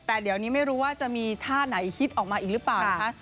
แต่เดี๋ยวนี้ไม่รู้ว่าจะมีท่าไหนฮิตออกมาอีกหรือเปล่านะคะ